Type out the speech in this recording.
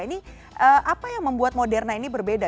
ini apa yang membuat moderna ini berbeda